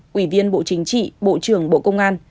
quỷ viên bộ chính trị bộ trưởng bộ công an